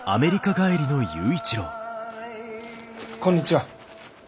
こんにちは。